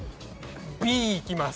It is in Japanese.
Ｂいきます。